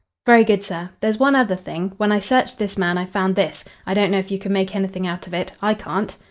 "Very good, sir. There's one other thing. When I searched this man I found this. I don't know if you can make anything out of it. I can't."